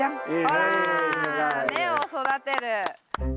ほら根を育てる。